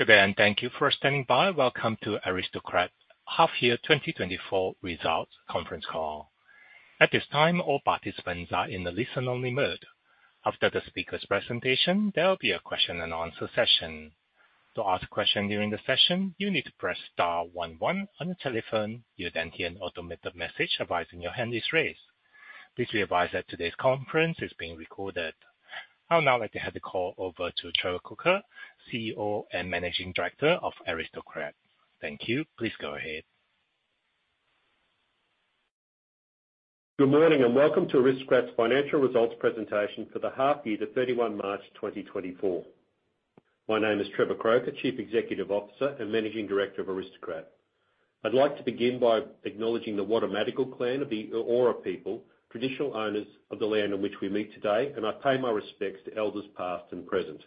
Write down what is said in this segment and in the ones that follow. Good day and thank you for standing by. Welcome to Aristocrat Half Year 2024 Results Conference Call. At this time, all participants are in the listen-only mode. After the speaker's presentation, there will be a Q&A session. To ask questions during the session, you need to press star one one on your telephone. You'll then hear an automated message advising your hand is raised. Please be advised that today's conference is being recorded. I'll now like to hand the call over to Trevor Croker, CEO and Managing Director of Aristocrat. Thank you. Please go ahead. Good morning and welcome to Aristocrat's financial results presentation for the half year to 31 March 2024. My name is Trevor Croker, Chief Executive Officer and Managing Director of Aristocrat. I'd like to begin by acknowledging the Water Gadigal Clan of the Eora people, traditional owners of the land on which we meet today, and I pay my respects to elders past and present.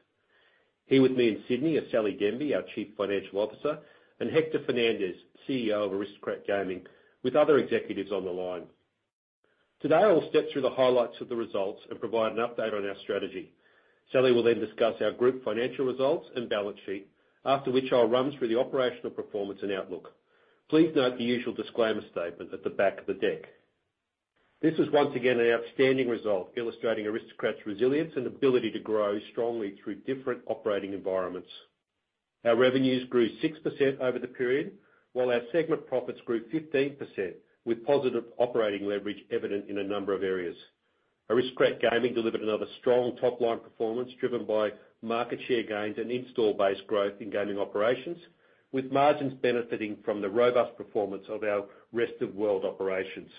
Here with me in Sydney are Sally Denby, our Chief Financial Officer, and Hector Fernandez, CEO of Aristocrat Gaming, with other executives on the line. Today I'll step through the highlights of the results and provide an update on our strategy. Sally will then discuss our group financial results and balance sheet, after which I'll run through the operational performance and outlook. Please note the usual disclaimer statement at the back of the deck. This was once again an outstanding result illustrating Aristocrat's resilience and ability to grow strongly through different operating environments. Our revenues grew 6% over the period, while our segment profits grew 15%, with positive operating leverage evident in a number of areas. Aristocrat Gaming delivered another strong top-line performance driven by market share gains and install base growth in gaming operations, with margins benefiting from the robust performance of our rest-of-world operations.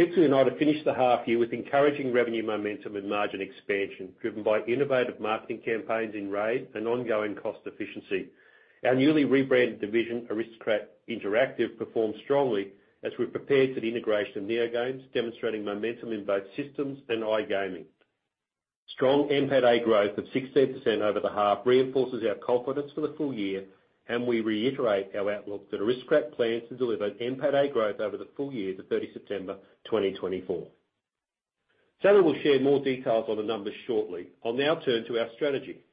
Pixel United have finished the half year with encouraging revenue momentum and margin expansion driven by innovative marketing campaigns in RAID and ongoing cost efficiency. Our newly rebranded division, Aristocrat Interactive, performed strongly as we prepared for the integration of NeoGames, demonstrating momentum in both systems and iGaming. Strong NPAT-A growth of 16% over the half reinforces our confidence for the full-year, and we reiterate our outlook that Aristocrat plans to deliver NPAT-A growth over the full-year to 30 September 2024. Sally will share more details on the numbers shortly. I'll now turn to our strategy.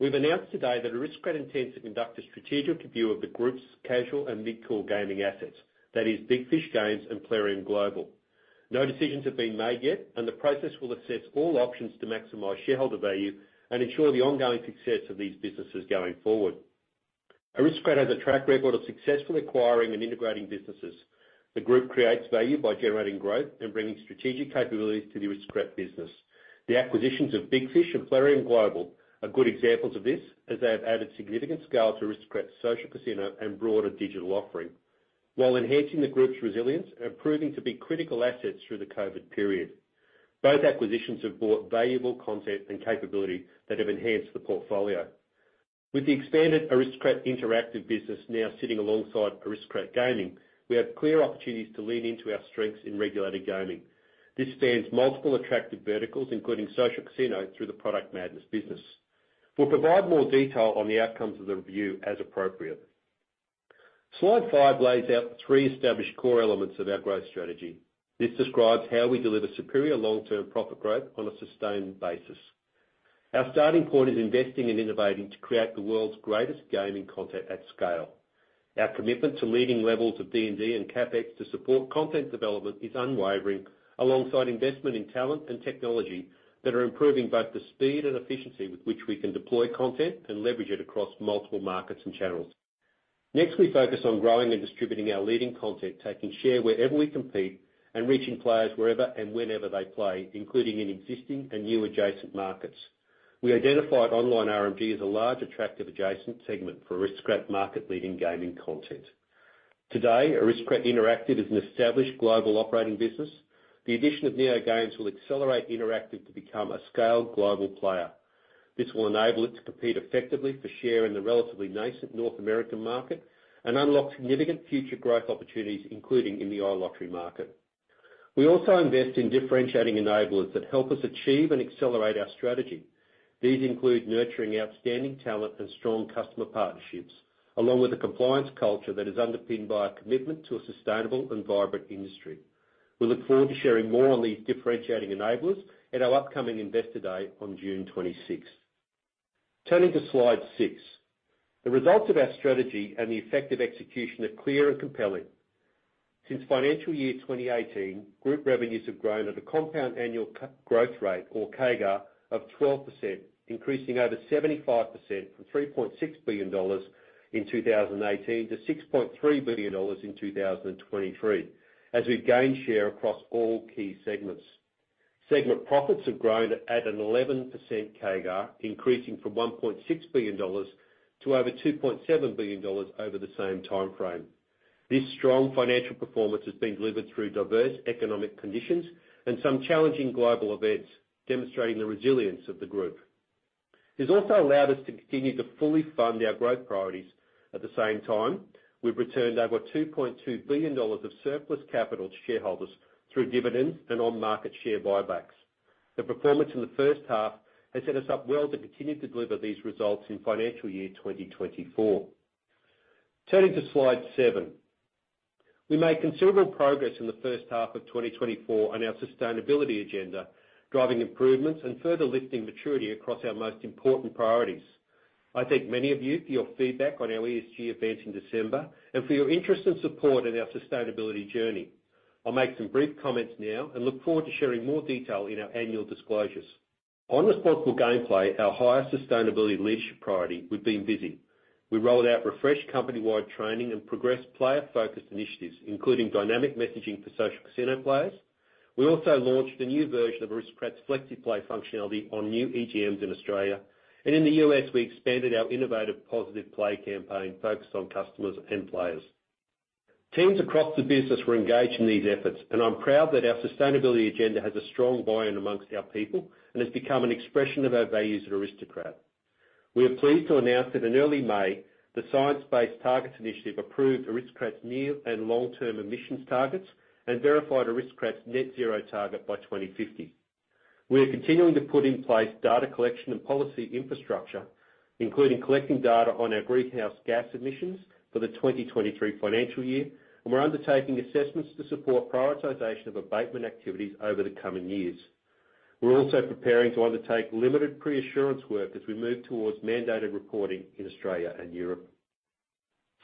We've announced today that Aristocrat intends to conduct a strategic review of the group's casual and mid-core gaming assets. That is, Big Fish Games and Plarium Global. No decisions have been made yet, and the process will assess all options to maximize shareholder value and ensure the ongoing success of these businesses going forward. Aristocrat has a track record of successfully acquiring and integrating businesses. The group creates value by generating growth and bringing strategic capabilities to the Aristocrat business. The acquisitions of Big Fish and Plarium Global are good examples of this, as they have added significant scale to Aristocrat's social casino and broader digital offering, while enhancing the group's resilience and proving to be critical assets through the COVID period. Both acquisitions have brought valuable content and capability that have enhanced the portfolio. With the expanded Aristocrat Interactive business now sitting alongside Aristocrat Gaming, we have clear opportunities to lean into our strengths in regulated gaming. This spans multiple attractive verticals, including social casino through the Product Madness business. We'll provide more detail on the outcomes of the review as appropriate. Slide five lays out three established core elements of our growth strategy. This describes how we deliver superior long-term profit growth on a sustained basis. Our starting point is investing and innovating to create the world's greatest gaming content at scale. Our commitment to leading levels of D&D and CapEx to support content development is unwavering alongside investment in talent and technology that are improving both the speed and efficiency with which we can deploy content and leverage it across multiple markets and channels. Next, we focus on growing and distributing our leading content, taking share wherever we compete and reaching players wherever and whenever they play, including in existing and new adjacent markets. We identify at Online RMG as a large, attractive adjacent segment for Aristocrat market-leading gaming content. Today, Aristocrat Interactive is an established global operating business. The addition of NeoGames will accelerate Interactive to become a scaled global player. This will enable it to compete effectively for share in the relatively nascent North American market and unlock significant future growth opportunities, including in the iLottery market. We also invest in differentiating enablers that help us achieve and accelerate our strategy. These include nurturing outstanding talent and strong customer partnerships, along with a compliance culture that is underpinned by a commitment to a sustainable and vibrant industry. We look forward to sharing more on these differentiating enablers at our upcoming investor day on June 26th. Turning to slide six. The results of our strategy and the effective execution are clear and compelling. Since financial year 2018, group revenues have grown at a compound annual growth rate, or CAGR, of 12%, increasing over 75% from 3.6 billion dollars in 2018 to 6.3 billion dollars in 2023, as we've gained share across all key segments. Segment profits have grown at an 11% CAGR, increasing from 1.6 billion dollars to over 2.7 billion dollars over the same timeframe. This strong financial performance has been delivered through diverse economic conditions and some challenging global events, demonstrating the resilience of the group. This has also allowed us to continue to fully fund our growth priorities. At the same time, we've returned over 2.2 billion dollars of surplus capital to shareholders through dividends and on-market share buybacks. The performance in the first half has set us up well to continue to deliver these results in financial year 2024. Turning to slide seven. We made considerable progress in the first half of 2024 on our sustainability agenda, driving improvements and further lifting maturity across our most important priorities. I thank many of you for your feedback on our ESG event in December and for your interest and support in our sustainability journey. I'll make some brief comments now and look forward to sharing more detail in our annual disclosures. On responsible gameplay, our highest sustainability leadership priority would be envision. We rolled out refreshed company-wide training and progressed player-focused initiatives, including dynamic messaging for social casino players. We also launched a new version of Aristocrat's FlexiPlay functionality on new EGMs in Australia, and in the U.S., we expanded our innovative Positive Play campaign focused on customers and players. Teams across the business were engaged in these efforts, and I'm proud that our sustainability agenda has a strong buy-in among our people and has become an expression of our values at Aristocrat. We are pleased to announce that in early May, the Science-Based Targets Initiative approved Aristocrat's near and long-term emissions targets and verified Aristocrat's net-zero target by 2050. We are continuing to put in place data collection and policy infrastructure, including collecting data on our greenhouse gas emissions for the 2023 financial year, and we're undertaking assessments to support prioritization of abatement activities over the coming years. We're also preparing to undertake limited pre-assurance work as we move towards mandated reporting in Australia and Europe.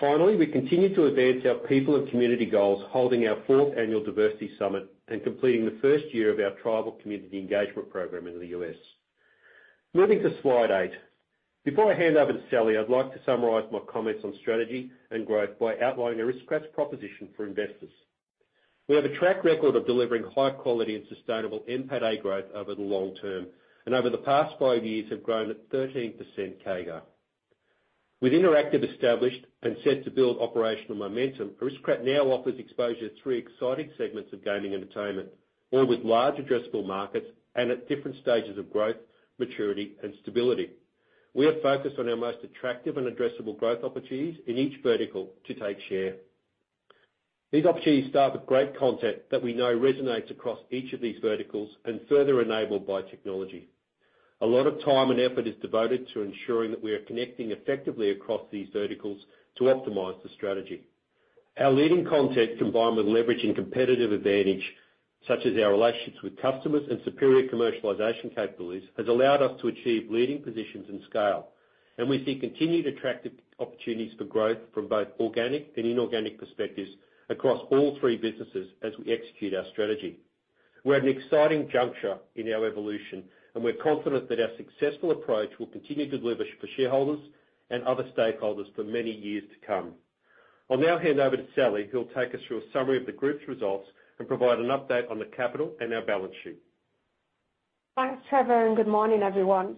Finally, we continue to advance our people and community goals, holding our fourth annual Diversity Summit and completing the first year of our tribal community engagement program in the U.S. Moving to Slide 8. Before I hand over to Sally, I'd like to summarize my comments on strategy and growth by outlining Aristocrat's proposition for investors. We have a track record of delivering high-quality and sustainable NPAT-A growth over the long term, and over the past 5 years have grown at 13% CAGR. With Interactive established and set to build operational momentum, Aristocrat now offers exposure to three exciting segments of gaming entertainment, all with large addressable markets and at different stages of growth, maturity, and stability. We are focused on our most attractive and addressable growth opportunities in each vertical to take share. These opportunities start with great content that we know resonates across each of these verticals and further enabled by technology. A lot of time and effort is devoted to ensuring that we are connecting effectively across these verticals to optimize the strategy. Our leading content, combined with leveraging competitive advantage such as our relationships with customers and superior commercialization capabilities, has allowed us to achieve leading positions and scale, and we see continued attractive opportunities for growth from both organic and inorganic perspectives across all three businesses as we execute our strategy. We're at an exciting juncture in our evolution, and we're confident that our successful approach will continue to deliver for shareholders and other stakeholders for many years to come. I'll now hand over to Sally, who'll take us through a summary of the group's results and provide an update on the capital and our balance sheet. Thanks, Trevor, and good morning, everyone.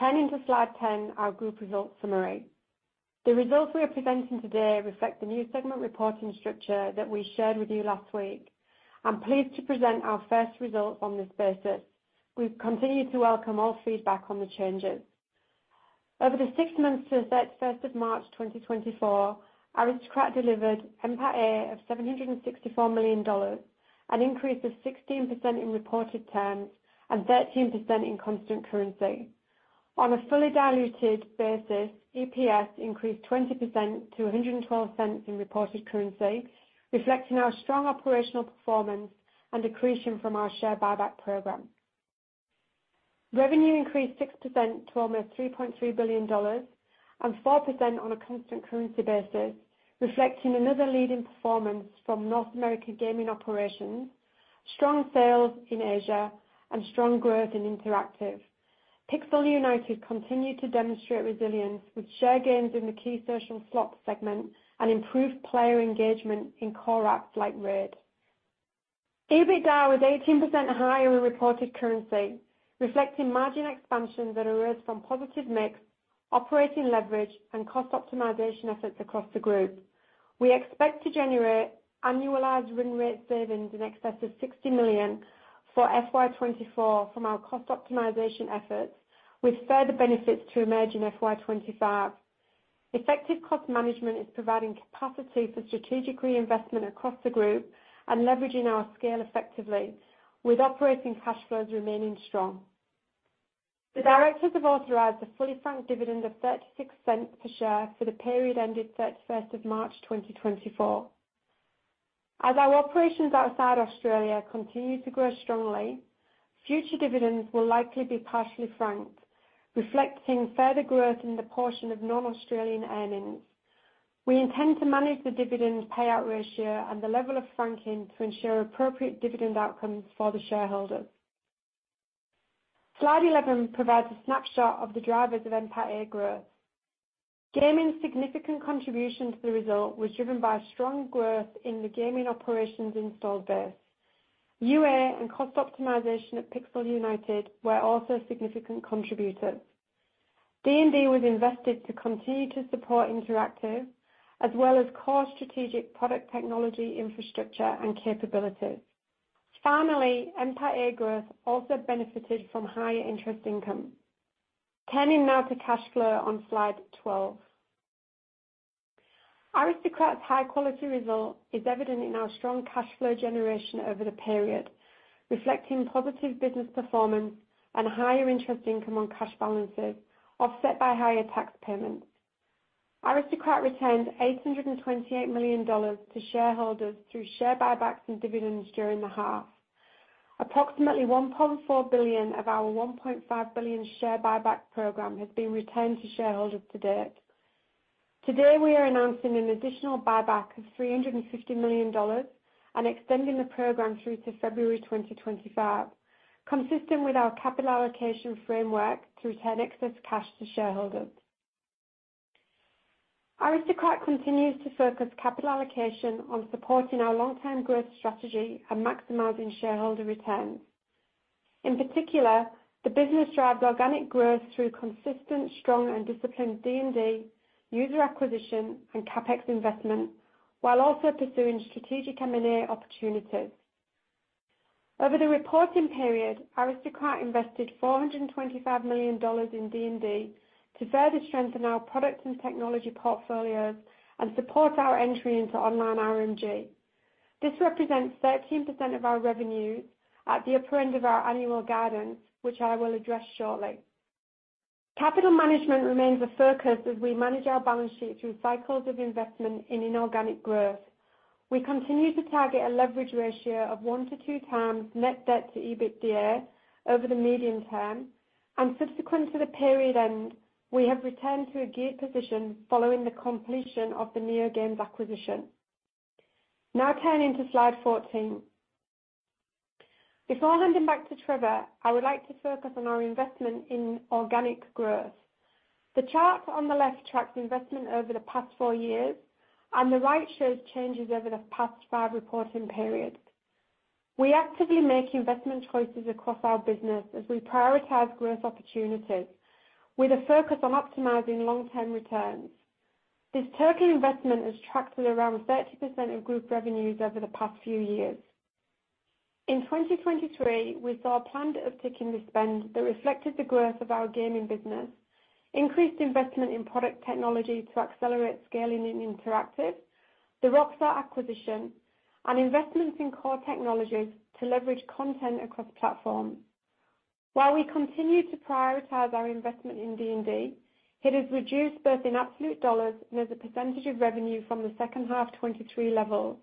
Turning to slide 10, our group results summary. The results we are presenting today reflect the new segment reporting structure that we shared with you last week. I'm pleased to present our first results on this basis. We continue to welcome all feedback on the changes. Over the six months to 31st of March 2024, Aristocrat delivered NPAT-A of 764 million dollars, an increase of 16% in reported terms and 13% in constant currency. On a fully diluted basis, EPS increased 20% to 1.12 in reported currency, reflecting our strong operational performance and accretion from our share buyback program. Revenue increased 6% to almost 3.3 billion dollars and 4% on a constant currency basis, reflecting another leading performance from North American gaming operations, strong sales in Asia, and strong growth in Interactive. Pixel United continued to demonstrate resilience with share gains in the key social slots segment and improved player engagement in core apps like RAID. EBITDA was 18% higher in reported currency, reflecting margin expansion that arose from positive mix, operating leverage, and cost optimization efforts across the group. We expect to generate annualized run rate savings in excess of 60 million for FY 2024 from our cost optimization efforts, with further benefits to emerging FY 2025. Effective cost management is providing capacity for strategic reinvestment across the group and leveraging our scale effectively, with operating cash flows remaining strong. The directors have authorized a fully franked dividend of 0.36 per share for the period ended 31st of March 2024. As our operations outside Australia continue to grow strongly, future dividends will likely be partially franked, reflecting further growth in the portion of non-Australian earnings. We intend to manage the dividend payout ratio and the level of franking to ensure appropriate dividend outcomes for the shareholders. Slide 11 provides a snapshot of the drivers of NPAT-A growth. Gaming's significant contribution to the result was driven by strong growth in the gaming operations installed base. UA and cost optimization at Pixel United were also significant contributors. D&D was invested to continue to support Interactive, as well as core strategic product technology infrastructure and capabilities. Finally, NPAT-A growth also benefited from higher interest income. Turning now to cash flow on slide 12. Aristocrat's high-quality result is evident in our strong cash flow generation over the period, reflecting positive business performance and higher interest income on cash balances offset by higher tax payments. Aristocrat returned 828 million dollars to shareholders through share buybacks and dividends during the half. Approximately 1.4 billion of our 1.5 billion share buyback program has been returned to shareholders to date. Today, we are announcing an additional buyback of 350 million dollars and extending the program through to February 2025, consistent with our capital allocation framework to return excess cash to shareholders. Aristocrat continues to focus capital allocation on supporting our long-term growth strategy and maximizing shareholder returns. In particular, the business drives organic growth through consistent, strong, and disciplined D&D, user acquisition, and CapEx investment, while also pursuing strategic M&A opportunities. Over the reporting period, Aristocrat invested 425 million dollars in D&D to further strengthen our product and technology portfolios and support our entry into Online RMG. This represents 13% of our revenues at the upper end of our annual guidance, which I will address shortly. Capital management remains a focus as we manage our balance sheet through cycles of investment in inorganic growth. We continue to target a leverage ratio of 1-2x net debt to EBITDA over the medium term, and subsequent to the period end, we have returned to a geared position following the completion of the NeoGames acquisition. Now turning to slide 14. Before handing back to Trevor, I would like to focus on our investment in organic growth. The chart on the left tracks investment over the past four years, and the right shows changes over the past five reporting periods. We actively make investment choices across our business as we prioritize growth opportunities with a focus on optimizing long-term returns. This total investment has tracked at around 30% of group revenues over the past few years. In 2023, we saw a plan to uptick in this spend that reflected the growth of our gaming business, increased investment in product technology to accelerate scaling in Interactive, the Roxor acquisition, and investments in core technologies to leverage content across platforms. While we continue to prioritize our investment in D&D, it has reduced both in absolute dollars and as a percentage of revenue from the second half 2023 level.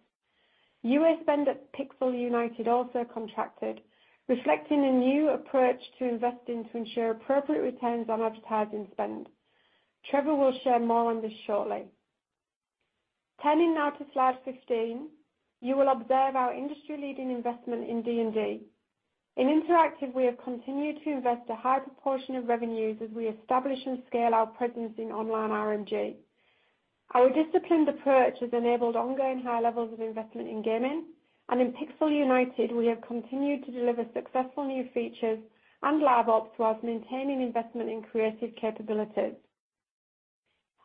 UA spend at Pixel United also contracted, reflecting a new approach to investing to ensure appropriate returns on advertising spend. Trevor will share more on this shortly. Turning now to slide 15. You will observe our industry-leading investment in D&D. In Interactive, we have continued to invest a high proportion of revenues as we establish and scale our presence in Online RMG. Our disciplined approach has enabled ongoing high levels of investment in gaming, and in Pixel United, we have continued to deliver successful new features and live ops while maintaining investment in creative capabilities.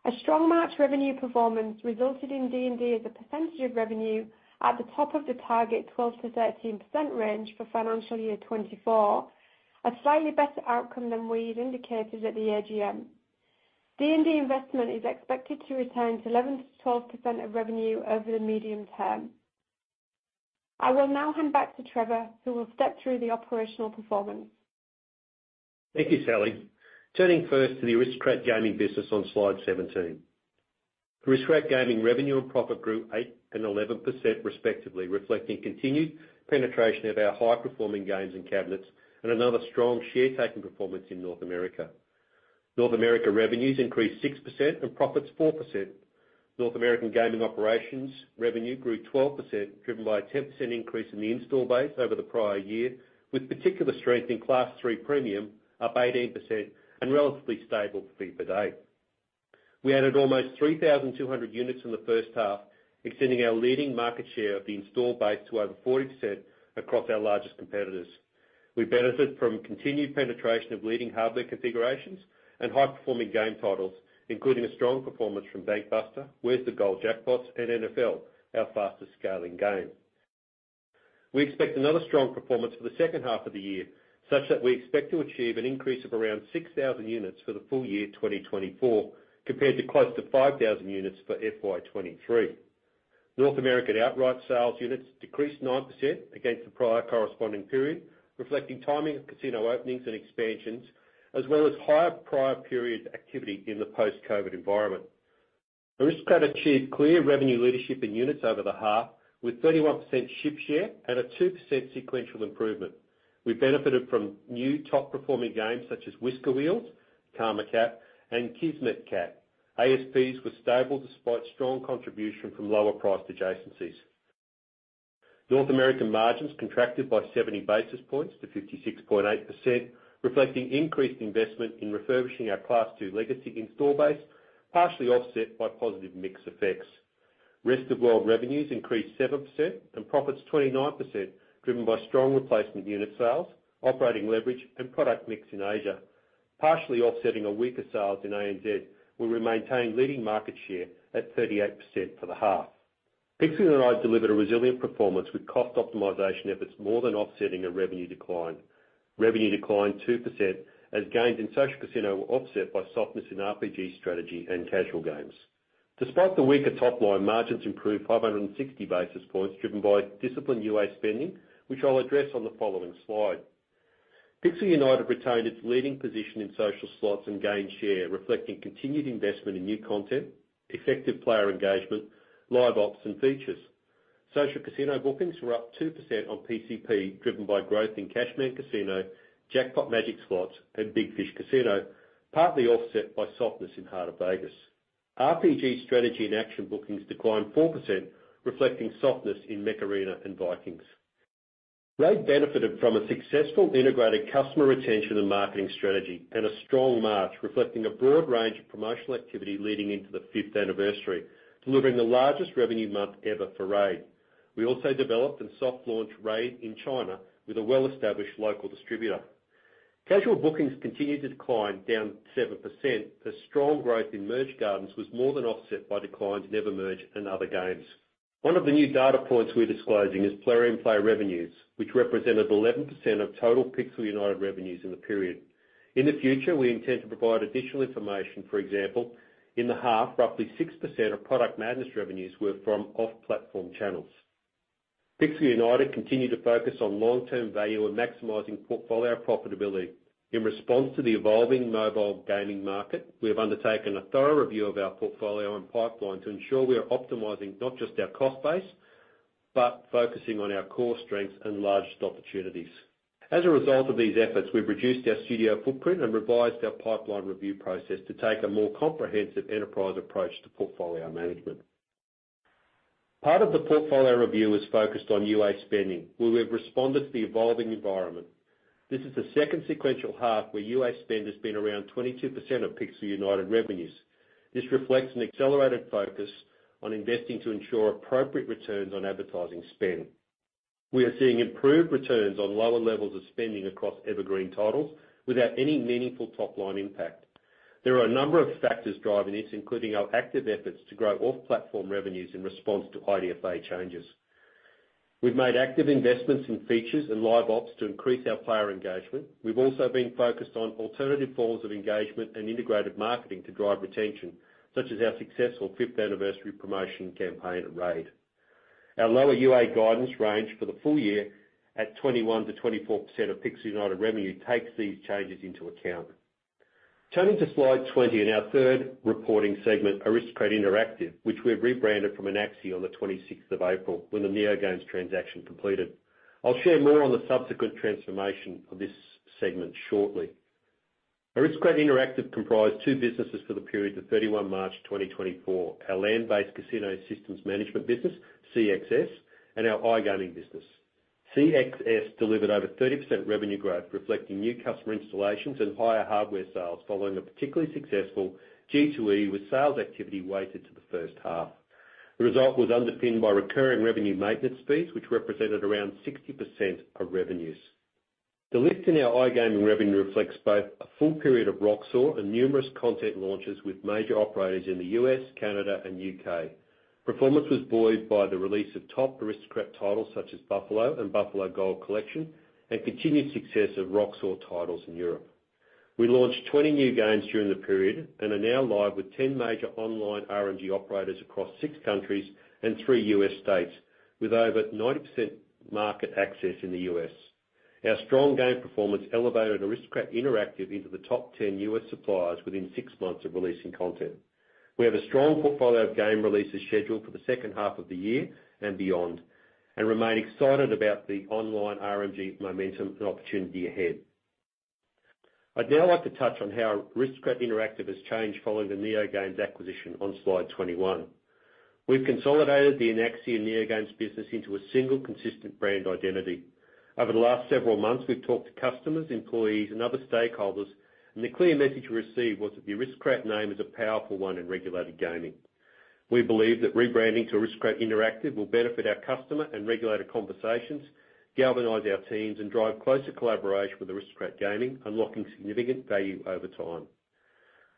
A strong machine revenue performance resulted in D&D as a percentage of revenue at the top of the target 12%-13% range for financial year 2024, a slightly better outcome than we had indicated at the AGM. D&D investment is expected to return to 11%-12% of revenue over the medium term. I will now hand back to Trevor, who will step through the operational performance. Thank you, Sally. Turning first to the Aristocrat Gaming business on slide 17. Aristocrat Gaming revenue and profit grew 8% and 11% respectively, reflecting continued penetration of our high-performing games and cabinets and another strong share-taking performance in North America. North America revenues increased 6% and profits 4%. North American gaming operations revenue grew 12%, driven by a 10% increase in the install base over the prior year, with particular strength in Class III premium up 18% and relatively stable fee per day. We added almost 3,200 units in the first half, extending our leading market share of the install base to over 40% across our largest competitors. We benefited from continued penetration of leading hardware configurations and high-performing game titles, including a strong performance from Bank Buster, Where's the Gold Jackpot, and NFL, our fastest-scaling game. We expect another strong performance for the second half of the year, such that we expect to achieve an increase of around 6,000 units for the full-year 2024 compared to close to 5,000 units for FY 2023. North America outright sales units decreased 9% against the prior corresponding period, reflecting timing of casino openings and expansions, as well as higher prior period activity in the post-COVID environment. Aristocrat achieved clear revenue leadership in units over the half, with 31% ship share and a 2% sequential improvement. We benefited from new top-performing games such as Whisker Wheels, Karma Kat, and Kismet Kat. ASPs were stable despite strong contribution from lower-priced adjacencies. North American margins contracted by 70 basis points to 56.8%, reflecting increased investment in refurbishing our Class II legacy install base, partially offset by positive mix effects. Rest of world revenues increased 7% and profits 29%, driven by strong replacement unit sales, operating leverage, and product mix in Asia, partially offsetting our weaker sales in ANZ, where we maintained leading market share at 38% for the half. Pixel United delivered a resilient performance with cost optimization efforts more than offsetting a revenue decline 2%, as gains in social casino were offset by softness in RPG strategy and casual games. Despite the weaker top line, margins improved 560 basis points, driven by disciplined UA spending, which I'll address on the following slide. Pixel United retained its leading position in social slots and gained share, reflecting continued investment in new content, effective player engagement, live ops, and features. Social casino bookings were up 2% on PCP, driven by growth in Cashman Casino, Jackpot Magic Slots, and Big Fish Casino, partly offset by softness in Heart of Vegas. RPG strategy and action bookings declined 4%, reflecting softness in Mech Arena and Vikings. RAID benefited from a successful integrated customer retention and marketing strategy and a strong March, reflecting a broad range of promotional activity leading into the fifth anniversary, delivering the largest revenue month ever for RAID. We also developed and soft-launched RAID in China with a well-established local distributor. Casual bookings continued to decline, down 7%, as strong growth in Merge Gardens was more than offset by declines in EverMerge and other games. One of the new data points we're disclosing is Plarium Play revenues, which represented 11% of total Pixel United revenues in the period. In the future, we intend to provide additional information. For example, in the half, roughly 6% of Product Madness revenues were from off-platform channels. Pixel United continue to focus on long-term value and maximizing portfolio profitability. In response to the evolving mobile gaming market, we have undertaken a thorough review of our portfolio and pipeline to ensure we are optimizing not just our cost base but focusing on our core strengths and largest opportunities. As a result of these efforts, we've reduced our studio footprint and revised our pipeline review process to take a more comprehensive enterprise approach to portfolio management. Part of the portfolio review is focused on UA spending, where we have responded to the evolving environment. This is the second sequential half where UA spend has been around 22% of Pixel United revenues. This reflects an accelerated focus on investing to ensure appropriate returns on advertising spend. We are seeing improved returns on lower levels of spending across evergreen titles without any meaningful top-line impact. There are a number of factors driving this, including our active efforts to grow off-platform revenues in response to IDFA changes. We've made active investments in features and live ops to increase our player engagement. We've also been focused on alternative forms of engagement and integrated marketing to drive retention, such as our successful fifth-anniversary promotion campaign at RAID. Our lower UA guidance range for the full-year at 21%-24% of Pixel United revenue takes these changes into account. Turning to slide 20 and our third reporting segment, Aristocrat Interactive, which we have rebranded from Anaxi on the 26th of April when the NeoGames transaction completed. I'll share more on the subsequent transformation of this segment shortly. Aristocrat Interactive comprised two businesses for the period to 31 March 2024: our land-based casino systems management business, CXS, and our iGaming business. CXS delivered over 30% revenue growth, reflecting new customer installations and higher hardware sales following a particularly successful G2E with sales activity weighted to the first half. The result was underpinned by recurring revenue maintenance fees, which represented around 60% of revenues. The lift in our iGaming revenue reflects both a full period of Roxor and numerous content launches with major operators in the U.S., Canada, and U.K. Performance was buoyed by the release of top Aristocrat titles such as Buffalo and Buffalo Gold Collection and continued success of Roxor titles in Europe. We launched 20 new games during the period and are now live with 10 major online RMG operators across six countries and three U.S. states, with over 90% market access in the U.S. Our strong game performance elevated Aristocrat Interactive into the top 10 U.S. suppliers within six months of releasing content. We have a strong portfolio of game releases scheduled for the second half of the year and beyond and remain excited about the online RMG momentum and opportunity ahead. I'd now like to touch on how Aristocrat Interactive has changed following the NeoGames acquisition on slide 21. We've consolidated the Anaxi and NeoGames business into a single, consistent brand identity. Over the last several months, we've talked to customers, employees, and other stakeholders, and the clear message we received was that the Aristocrat name is a powerful one in regulated gaming. We believe that rebranding to Aristocrat Interactive will benefit our customer and regulator conversations, galvanize our teams, and drive closer collaboration with Aristocrat Gaming, unlocking significant value over time.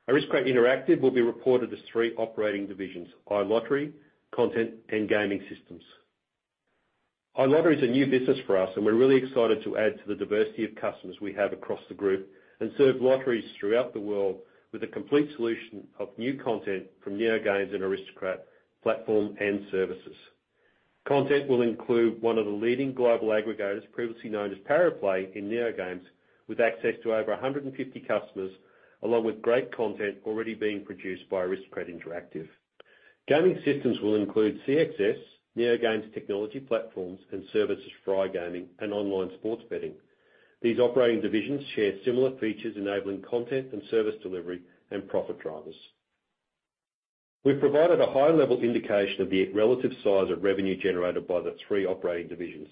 Aristocrat Interactive will be reported as three operating divisions: iLottery, Content, and Gaming Systems. iLottery is a new business for us, and we're really excited to add to the diversity of customers we have across the group and serve lotteries throughout the world with a complete solution of new content from NeoGames and Aristocrat platform and services. Content will include one of the leading global aggregators, previously known as Pariplay, in NeoGames with access to over 150 customers, along with great content already being produced by Aristocrat Interactive. Gaming Systems will include CXS, NeoGames technology platforms, and services for iGaming and online sports betting. These operating divisions share similar features, enabling content and service delivery and profit drivers. We've provided a high-level indication of the relative size of revenue generated by the three operating divisions.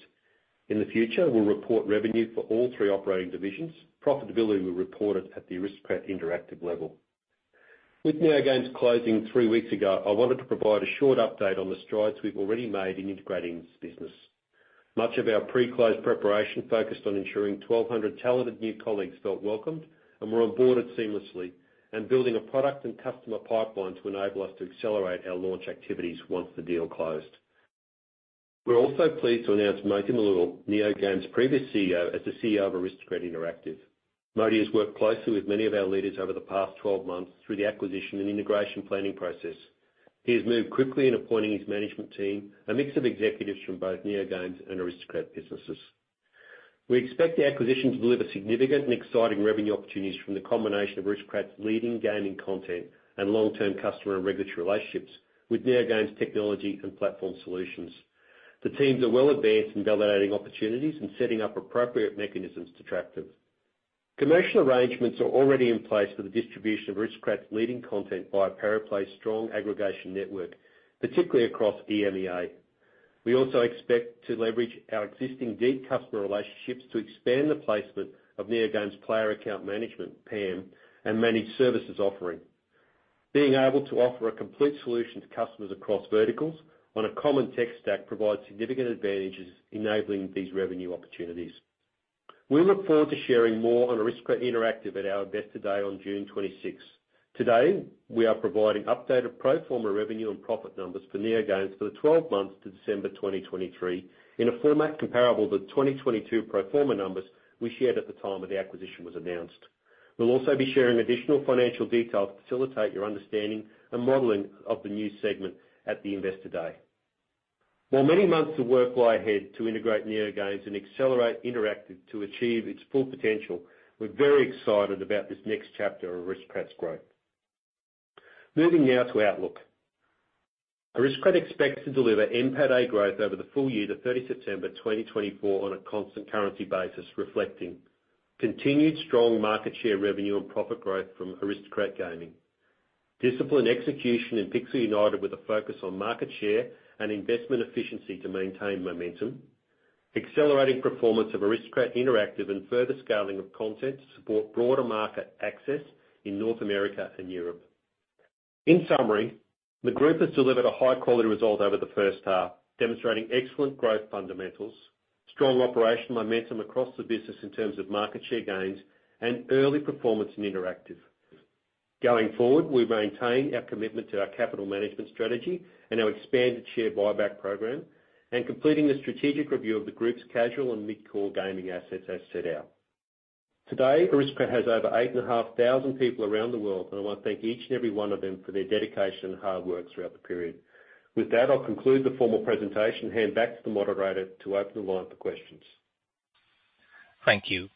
In the future, we'll report revenue for all three operating divisions. Profitability will be reported at the Aristocrat Interactive level. With NeoGames closing three weeks ago, I wanted to provide a short update on the strides we've already made in integrating this business. Much of our pre-close preparation focused on ensuring 1,200 talented new colleagues felt welcomed and were on board seamlessly and building a product and customer pipeline to enable us to accelerate our launch activities once the deal closed. We're also pleased to announce Moti Malul, NeoGames' previous CEO, as the CEO of Aristocrat Interactive. Moti has worked closely with many of our leaders over the past 12 months through the acquisition and integration planning process. He has moved quickly in appointing his management team, a mix of executives from both NeoGames and Aristocrat businesses. We expect the acquisition to deliver significant and exciting revenue opportunities from the combination of Aristocrat's leading gaming content and long-term customer and regulatory relationships with NeoGames' technology and platform solutions. The teams are well advanced in validating opportunities and setting up appropriate mechanisms to track them. Commercial arrangements are already in place for the distribution of Aristocrat's leading content via Pariplay's strong aggregation network, particularly across EMEA. We also expect to leverage our existing deep customer relationships to expand the placement of NeoGames' player account management, PAM, and managed services offering. Being able to offer a complete solution to customers across verticals on a common tech stack provides significant advantages, enabling these revenue opportunities. We look forward to sharing more on Aristocrat Interactive at our Investor Day on June 26th. Today, we are providing updated pro forma revenue and profit numbers for NeoGames for the 12 months to December 2023 in a format comparable to the 2022 pro forma numbers we shared at the time of the acquisition was announced. We'll also be sharing additional financial detail to facilitate your understanding and modeling of the new segment at the Investor Day. While many months of work lie ahead to integrate NeoGames and accelerate Interactive to achieve its full potential, we're very excited about this next chapter of Aristocrat's growth. Moving now to outlook. Aristocrat expects to deliver NPAT-A growth over the full-year to 30 September 2024 on a constant currency basis, reflecting continued strong market share revenue and profit growth from Aristocrat Gaming, disciplined execution in Pixel United with a focus on market share and investment efficiency to maintain momentum, accelerating performance of Aristocrat Interactive, and further scaling of content to support broader market access in North America and Europe. In summary, the group has delivered a high-quality result over the first half, demonstrating excellent growth fundamentals, strong operational momentum across the business in terms of market share gains, and early performance in Interactive. Going forward, we maintain our commitment to our capital management strategy and our expanded share buyback program and completing the strategic review of the group's casual and mid-core gaming assets as set out. Today, Aristocrat has over 8,500 people around the world, and I want to thank each and every one of them for their dedication and hard work throughout the period. With that, I'll conclude the formal presentation and hand back to the moderator to open the line for questions. Thank you.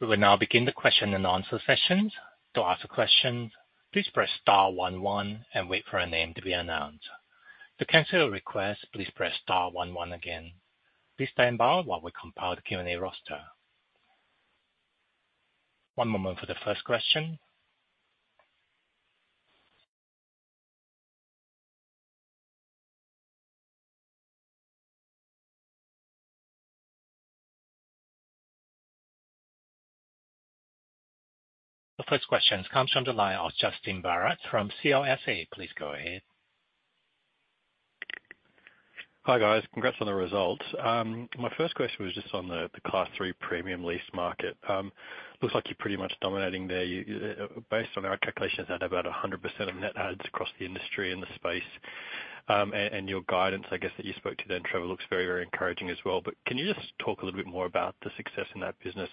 We will now begin the question and answer sessions. To ask questions, please press star one one and wait for a name to be announced. To cancel a request, please press star one one again. Please stand by while we compile the Q&A roster. One moment for the first question. The first question comes from the line of Justin Barrett from CLSA. Please go ahead. Hi guys. Congrats on the results. My first question was just on the Class III premium lease market. Looks like you're pretty much dominating there. Based on our calculations, that's about 100% of net adds across the industry and the space. And your guidance, I guess, that you spoke to then, Trevor, looks very, very encouraging as well. But can you just talk a little bit more about the success in that business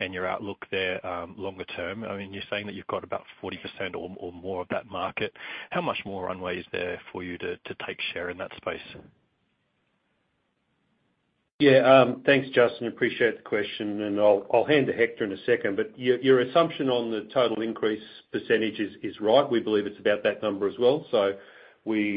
and your outlook there longer term? I mean, you're saying that you've got about 40% or more of that market. How much more runway is there for you to take share in that space? Yeah. Thanks, Justin. Appreciate the question. And I'll hand to Hector in a second. But your assumption on the total increase percentage is right. We believe it's about that number as well. So we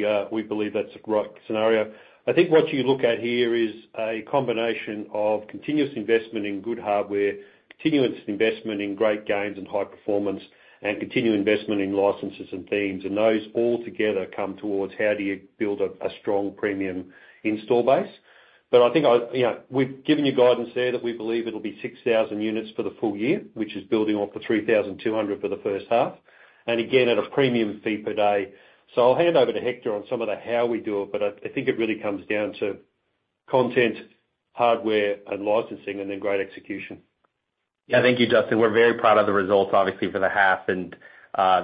believe that's the right scenario. I think what you look at here is a combination of continuous investment in good hardware, continuous investment in great games and high performance, and continued investment in licenses and themes. And those all together come towards how do you build a strong premium install base. But I think we've given you guidance there that we believe it'll be 6,000 units for the full-year, which is building off the 3,200 for the first half, and again, at a premium fee per day. So I'll hand over to Hector on some of the how we do it. But I think it really comes down to content, hardware, and licensing, and then great execution. Yeah. Thank you, Justin. We're very proud of the results, obviously, for the half.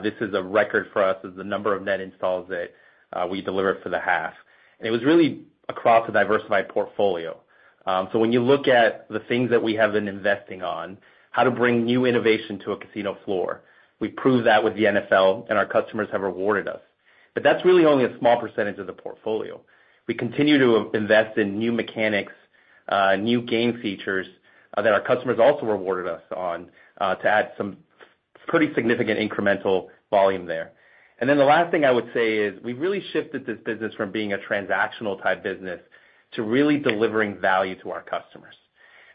This is a record for us as the number of net installs that we delivered for the half. It was really across a diversified portfolio. So when you look at the things that we have been investing on, how to bring new innovation to a casino floor, we've proved that with the NFL, and our customers have rewarded us. But that's really only a small percentage of the portfolio. We continue to invest in new mechanics, new game features that our customers also rewarded us on to add some pretty significant incremental volume there. The last thing I would say is we've really shifted this business from being a transactional-type business to really delivering value to our customers.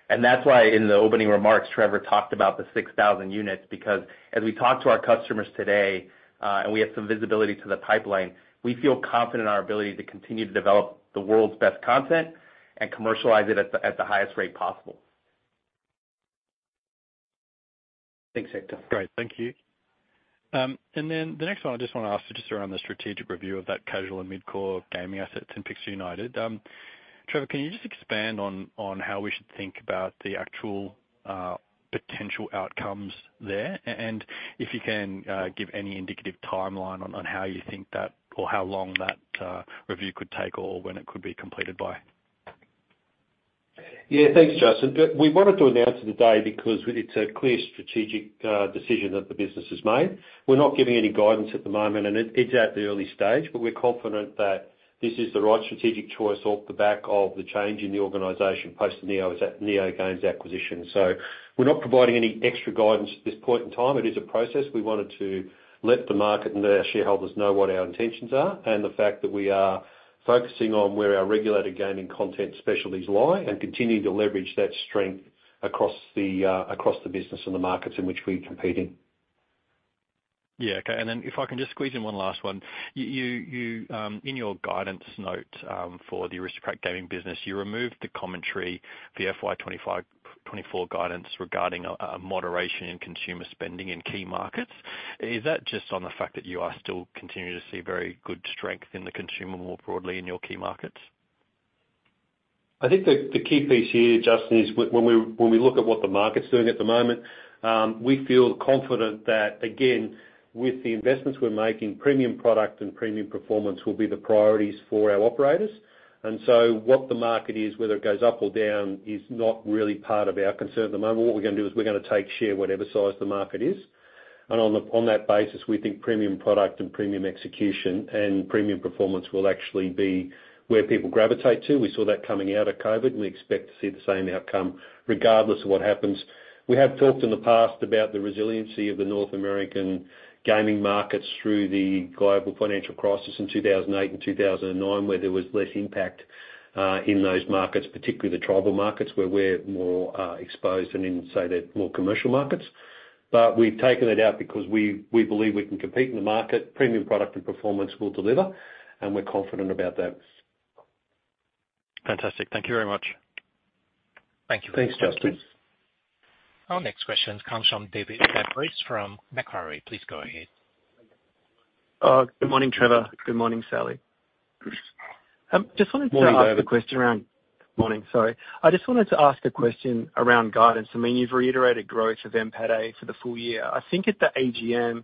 That's why in the opening remarks, Trevor talked about the 6,000 units because as we talk to our customers today and we have some visibility to the pipeline, we feel confident in our ability to continue to develop the world's best content and commercialize it at the highest rate possible. Thanks, Hector. Great. Thank you. And then the next one I just want to ask is just around the strategic review of that casual and mid-core gaming assets in Pixel United. Trevor, can you just expand on how we should think about the actual potential outcomes there? And if you can, give any indicative timeline on how you think that or how long that review could take or when it could be completed by? Yeah. Thanks, Justin. We wanted to announce it today because it's a clear strategic decision that the business has made. We're not giving any guidance at the moment, and it's at the early stage. But we're confident that this is the right strategic choice off the back of the change in the organization post the NeoGames acquisition. So we're not providing any extra guidance at this point in time. It is a process. We wanted to let the market and the shareholders know what our intentions are and the fact that we are focusing on where our regulated gaming content specialties lie and continuing to leverage that strength across the business and the markets in which we compete in. Yeah. Okay. Then if I can just squeeze in one last one. In your guidance note for the Aristocrat Gaming business, you removed the commentary for FY2024 guidance regarding a moderation in consumer spending in key markets. Is that just on the fact that you are still continuing to see very good strength in the consumer more broadly in your key markets? I think the key piece here, Justin, is when we look at what the market's doing at the moment, we feel confident that, again, with the investments we're making, premium product and premium performance will be the priorities for our operators. And so what the market is, whether it goes up or down, is not really part of our concern at the moment. What we're going to do is we're going to take share whatever size the market is. And on that basis, we think premium product and premium execution and premium performance will actually be where people gravitate to. We saw that coming out of COVID, and we expect to see the same outcome regardless of what happens. We have talked in the past about the resiliency of the North American gaming markets through the global financial crisis in 2008 and 2009, where there was less impact in those markets, particularly the tribal markets where we're more exposed and in, say, the more commercial markets. But we've taken that out because we believe we can compete in the market. Premium product and performance will deliver, and we're confident about that. Fantastic. Thank you very much. Thank you. Thanks, Justin. Our next question comes from David Fabris from Macquarie. Please go ahead. Good morning, Trevor. Good morning, Sally. Just wanted to ask a question around margins. Sorry. I just wanted to ask a question around guidance. I mean, you've reiterated growth of NPAT-A for the full-year. I think at the AGM,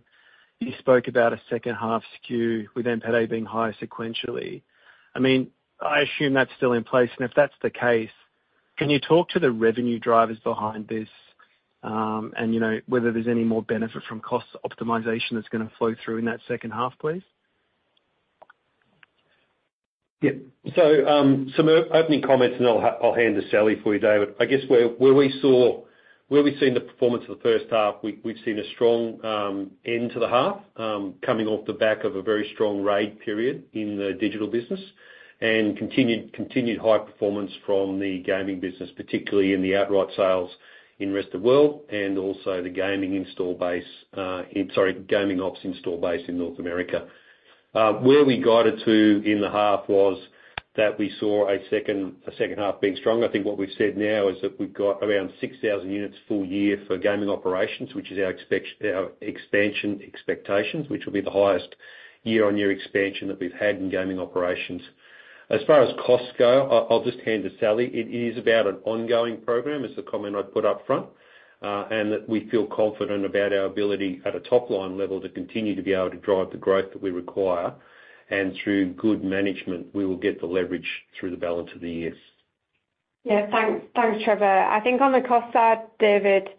you spoke about a second-half skew with NPAT-A being higher sequentially. I mean, I assume that's still in place. And if that's the case, can you talk to the revenue drivers behind this and whether there's any more benefit from cost optimization that's going to flow through in that second half, please? Yep. So some opening comments, and I'll hand to Sally for you there. But I guess where we've seen the performance of the first half, we've seen a strong end to the half coming off the back of a very strong raid period in the digital business and continued high performance from the gaming business, particularly in the outright sales in the rest of the world and also the gaming install base sorry, gaming ops install base in North America. Where we guided to in the half was that we saw a second half being stronger. I think what we've said now is that we've got around 6,000 units full-year for gaming operations, which is our expansion expectations, which will be the highest year-on-year expansion that we've had in gaming operations. As far as costs go, I'll just hand to Sally. It is about an ongoing program, is the comment I put upfront, and that we feel confident about our ability at a top-line level to continue to be able to drive the growth that we require. Through good management, we will get the leverage through the balance of the year. Yeah. Thanks, Trevor. I think on the cost side, David,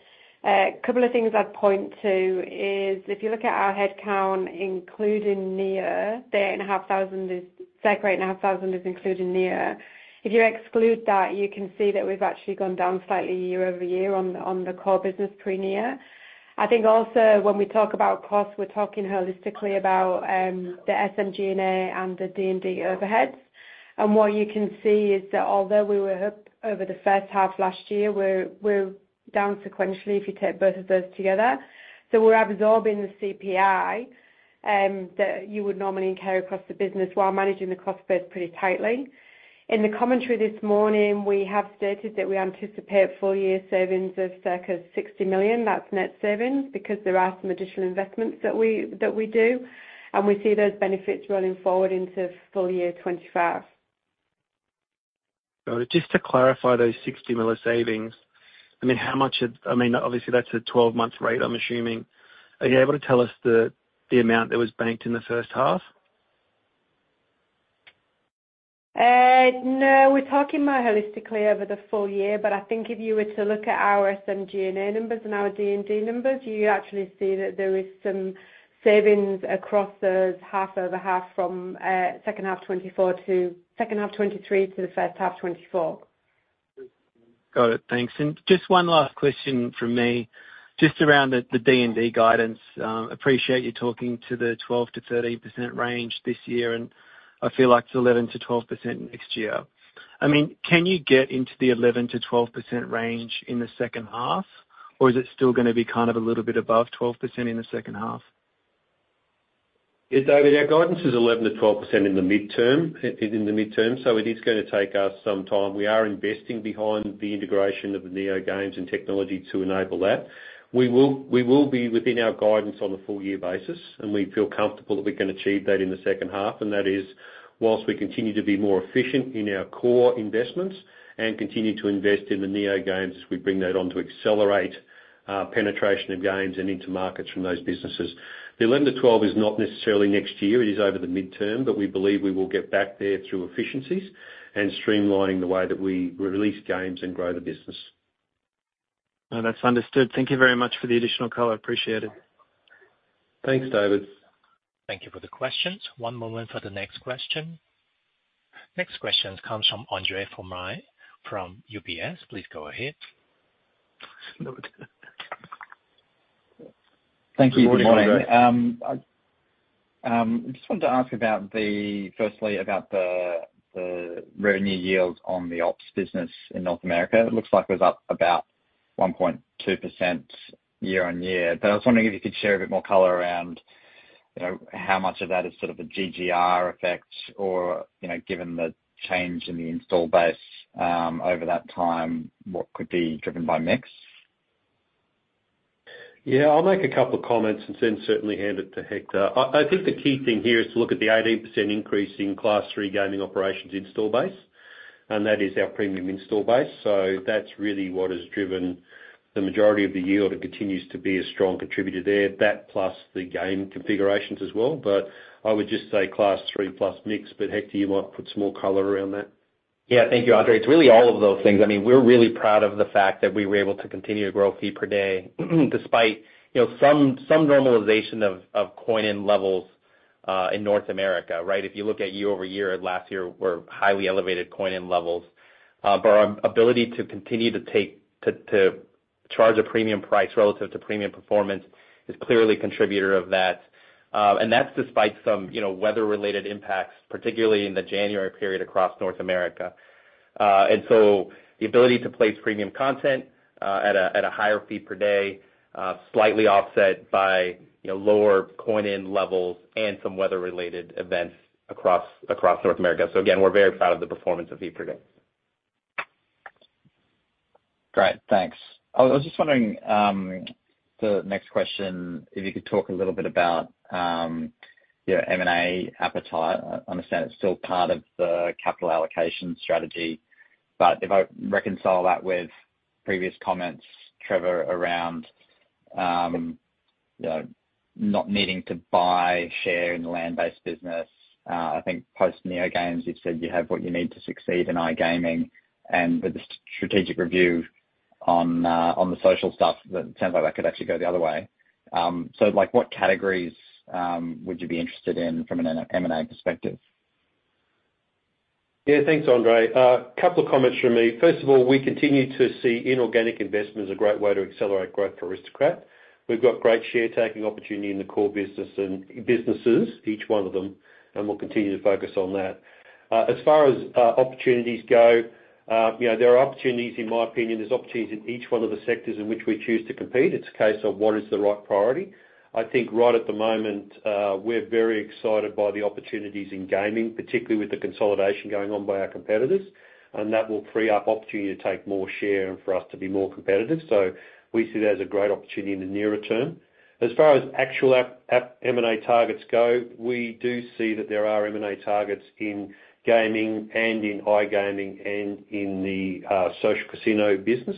a couple of things I'd point to is if you look at our headcount, including Neo, 8,500 is sacred. 8,500 is including Neo. If you exclude that, you can see that we've actually gone down slightly year-over-year on the core business pre-Neo. I think also when we talk about costs, we're talking holistically about the SMG&A and the D&D overheads. And what you can see is that although we were up over the first half last year, we're down sequentially if you take both of those together. So we're absorbing the CPI that you would normally incur across the business while managing the cost base pretty tightly. In the commentary this morning, we have stated that we anticipate full-year savings of circa 60 million. That's net savings because there are some additional investments that we do. We see those benefits rolling forward into full-year 2025. Got it. Just to clarify those 60 million savings, I mean, how much I mean, obviously, that's a 12-month rate, I'm assuming. Are you able to tell us the amount that was banked in the first half? No. We're talking more holistically over the full-year. But I think if you were to look at our SMG&A numbers and our D&D numbers, you'd actually see that there is some savings across those half over half from second half 2024 to second half 2023 to the first half 2024. Got it. Thanks. And just one last question from me, just around the D&D guidance. Appreciate you talking to the 12%-13% range this year, and I feel like it's 11%-12% next year. I mean, can you get into the 11%-12% range in the second half, or is it still going to be kind of a little bit above 12% in the second half? Yeah, David. Our guidance is 11%-12% in the midterm. It's in the midterm, so it is going to take us some time. We are investing behind the integration of the NeoGames and technology to enable that. We will be within our guidance on a full-year basis, and we feel comfortable that we can achieve that in the second half. And that is whilst we continue to be more efficient in our core investments and continue to invest in the NeoGames as we bring that on to accelerate penetration of games and into markets from those businesses. The 11%-12% is not necessarily next year. It is over the midterm, but we believe we will get back there through efficiencies and streamlining the way that we release games and grow the business. That's understood. Thank you very much for the additional color. Appreciate it. Thanks, David. Thank you for the questions. One moment for the next question. Next question comes from André from UBS. Please go ahead. Thank you. Good morning. I just wanted to ask about, firstly, about the revenue yields on the ops business in North America. It looks like it was up about 1.2% year-on-year. But I was wondering if you could share a bit more color around how much of that is sort of a GGR effect or, given the change in the install base over that time, what could be driven by mix? Yeah. I'll make a couple of comments and then certainly hand it to Hector. I think the key thing here is to look at the 18% increase in Class III gaming operations install base. That is our premium install base. That's really what has driven the majority of the yield and continues to be a strong contributor there, that plus the game configurations as well. I would just say Class III plus mix. Hector, you might put some more color around that. Yeah. Thank you, André. It's really all of those things. I mean, we're really proud of the fact that we were able to continue to grow fee per day despite some normalization of coin-in levels in North America, right? If you look at year-over-year, last year were highly elevated coin-in levels. But our ability to continue to charge a premium price relative to premium performance is clearly a contributor of that. And that's despite some weather-related impacts, particularly in the January period across North America. And so the ability to place premium content at a higher fee per day, slightly offset by lower coin-in levels and some weather-related events across North America. So again, we're very proud of the performance of fee per day. Great. Thanks. I was just wondering the next question, if you could talk a little bit about your M&A appetite. I understand it's still part of the capital allocation strategy. But if I reconcile that with previous comments, Trevor, around not needing to buy share in the land-based business, I think post-NeoGames, you've said you have what you need to succeed in iGaming. And with the strategic review on the social stuff, it sounds like that could actually go the other way. So what categories would you be interested in from an M&A perspective? Yeah. Thanks, André. A couple of comments from me. First of all, we continue to see inorganic investments a great way to accelerate growth for Aristocrat. We've got great share-taking opportunity in the core businesses, each one of them, and we'll continue to focus on that. As far as opportunities go, there are opportunities, in my opinion. There's opportunities in each one of the sectors in which we choose to compete. It's a case of what is the right priority. I think right at the moment, we're very excited by the opportunities in gaming, particularly with the consolidation going on by our competitors. And that will free up opportunity to take more share and for us to be more competitive. So we see that as a great opportunity in the nearer term. As far as actual M&A targets go, we do see that there are M&A targets in gaming and in iGaming and in the social casino business.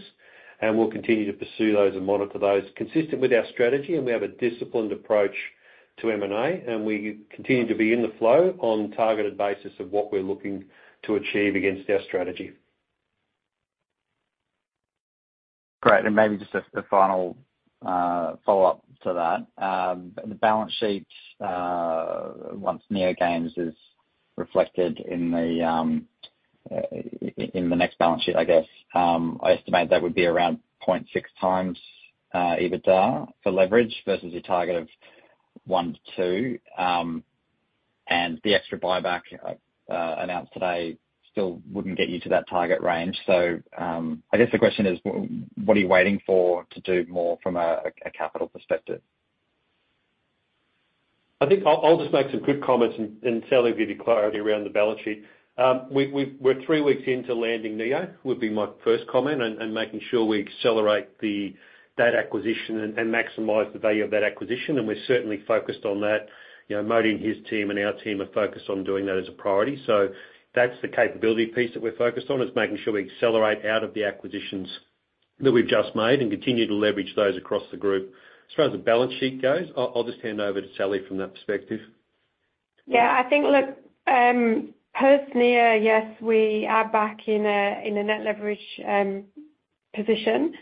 We'll continue to pursue those and monitor those consistent with our strategy. We have a disciplined approach to M&A. We continue to be in the flow on targeted basis of what we're looking to achieve against our strategy. Great. And maybe just a final follow-up to that. The balance sheet, once NeoGames is reflected in the next balance sheet, I guess, I estimate that would be around 0.6x EBITDA for leverage versus your target of 1-2. And the extra buyback announced today still wouldn't get you to that target range. So I guess the question is, what are you waiting for to do more from a capital perspective? I think I'll just make some quick comments and Sally will give you clarity around the balance sheet. We're three weeks into landing Neo, would be my first comment, and making sure we accelerate the data acquisition and maximize the value of that acquisition. We're certainly focused on that. Moti and his team and our team are focused on doing that as a priority. So that's the capability piece that we're focused on, is making sure we accelerate out of the acquisitions that we've just made and continue to leverage those across the group. As far as the balance sheet goes, I'll just hand over to Sally from that perspective. Yeah. I think, look, post-Neo, yes, we are back in a net leverage position.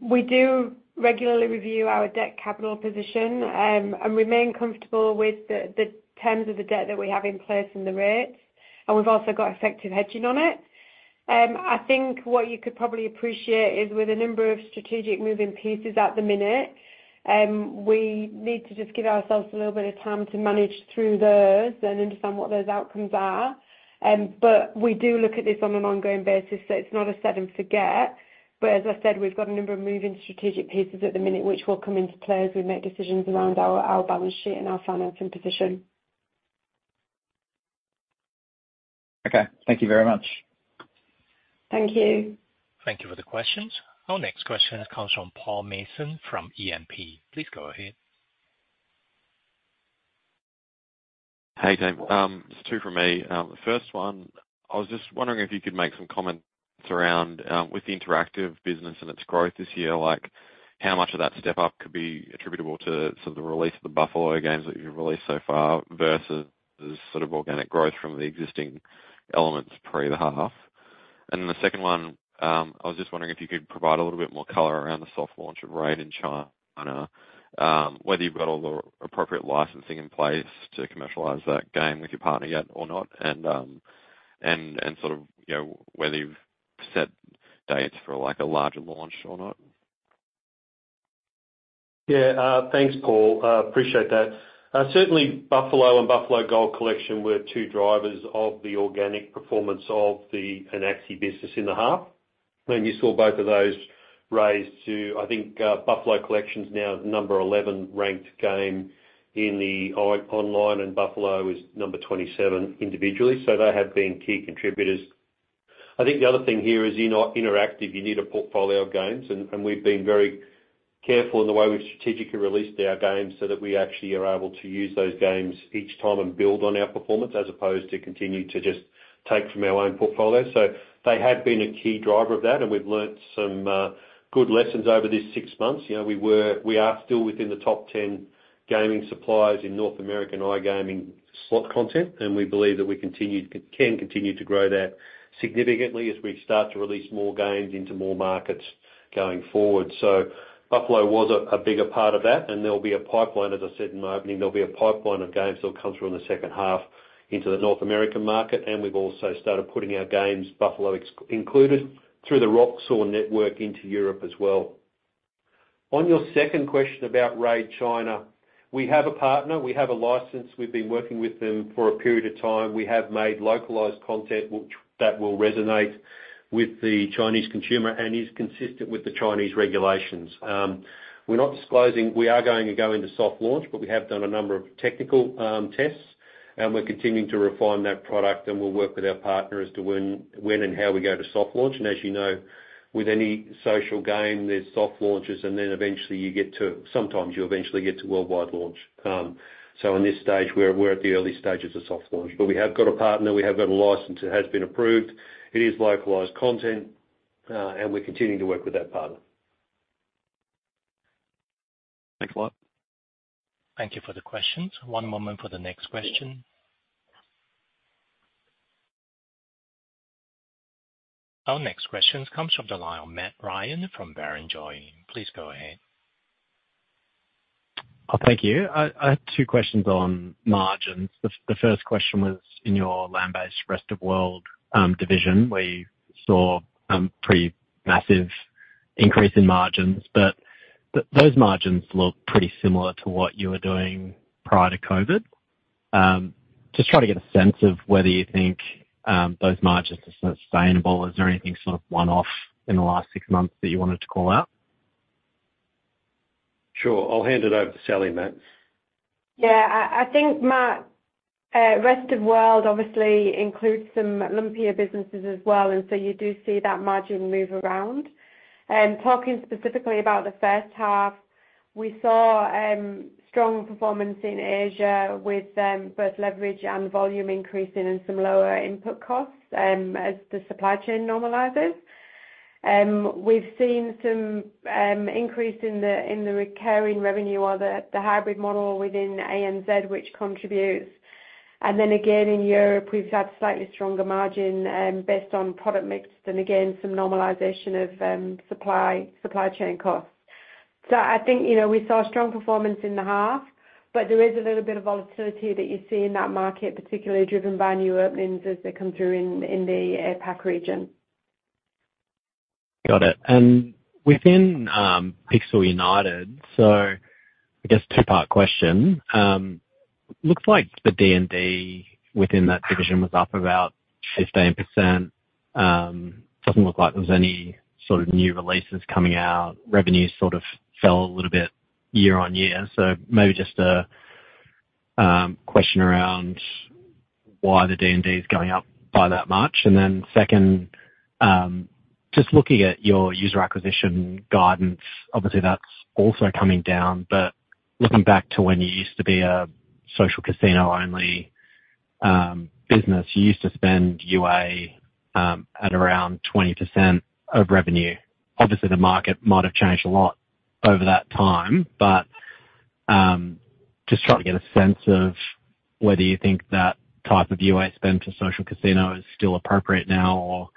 We do regularly review our debt capital position and remain comfortable with the terms of the debt that we have in place and the rates. We've also got effective hedging on it. I think what you could probably appreciate is with a number of strategic moving pieces at the minute, we need to just give ourselves a little bit of time to manage through those and understand what those outcomes are. We do look at this on an ongoing basis. It's not a set-and-forget. As I said, we've got a number of moving strategic pieces at the minute which will come into play as we make decisions around our balance sheet and our financing position. Okay. Thank you very much. Thank you. Thank you for the questions. Our next question comes from Paul Mason from E&P. Please go ahead. Hey, David. It's two from me. The first one, I was just wondering if you could make some comments around with the interactive business and its growth this year, how much of that step-up could be attributable to sort of the release of the Buffalo games that you've released so far versus sort of organic growth from the existing elements pre the half. And then the second one, I was just wondering if you could provide a little bit more color around the soft launch of RAID in China, whether you've got all the appropriate licensing in place to commercialize that game with your partner yet or not, and sort of whether you've set dates for a larger launch or not. Yeah. Thanks, Paul. Appreciate that. Certainly, Buffalo and Buffalo Gold Collection were two drivers of the organic performance of the Anaxi business in the half. And you saw both of those raised to I think Buffalo Collection's now number 11 ranked game online, and Buffalo is number 27 individually. So they have been key contributors. I think the other thing here is in Interactive, you need a portfolio of games. And we've been very careful in the way we've strategically released our games so that we actually are able to use those games each time and build on our performance as opposed to continue to just take from our own portfolio. So they have been a key driver of that. And we've learned some good lessons over these six months. We are still within the top 10 gaming suppliers in North American iGaming slot content. We believe that we can continue to grow that significantly as we start to release more games into more markets going forward. So Buffalo was a bigger part of that. And there'll be a pipeline, as I said in my opening, there'll be a pipeline of games that'll come through in the second half into the North American market. And we've also started putting our games, Buffalo included, through the Roxor Network into Europe as well. On your second question about RAID China, we have a partner. We have a license. We've been working with them for a period of time. We have made localized content that will resonate with the Chinese consumer and is consistent with the Chinese regulations. We're not disclosing we are going to go into soft launch, but we have done a number of technical tests. And we're continuing to refine that product. We'll work with our partner as to when and how we go to soft launch. As you know, with any social game, there's soft launches. Then eventually, you get to sometimes, you eventually get to worldwide launch. In this stage, we're at the early stages of soft launch. We have got a partner. We have got a license that has been approved. It is localized content. We're continuing to work with that partner. Thanks a lot. Thank you for the questions. One moment for the next question. Our next question comes from the line of Matt Ryan from Barrenjoey. Please go ahead. Oh, thank you. I had two questions on margins. The first question was in your land-based rest of world division where you saw a pretty massive increase in margins. But those margins look pretty similar to what you were doing prior to COVID. Just trying to get a sense of whether you think those margins are sustainable. Is there anything sort of one-off in the last six months that you wanted to call out? Sure. I'll hand it over to Sally, Matt. Yeah. I think, Matt, rest of world obviously includes some lumpier businesses as well. And so you do see that margin move around. Talking specifically about the first half, we saw strong performance in Asia with both leverage and volume increasing and some lower input costs as the supply chain normalizes. We've seen some increase in the recurring revenue or the hybrid model within ANZ, which contributes. And then again, in Europe, we've had slightly stronger margin based on product mix than again, some normalization of supply chain costs. So I think we saw strong performance in the half. But there is a little bit of volatility that you see in that market, particularly driven by new openings as they come through in the APAC region. Got it. And within Pixel United, so I guess two-part question. It looks like the D&D within that division was up about 15%. It doesn't look like there was any sort of new releases coming out. Revenue sort of fell a little bit year-on-year. So maybe just a question around why the D&D is going up by that much. And then second, just looking at your user acquisition guidance, obviously, that's also coming down. But looking back to when you used to be a social casino-only business, you used to spend UA at around 20% of revenue. Obviously, the market might have changed a lot over that time. But just trying to get a sense of whether you think that type of UA spend for social casino is still appropriate now, or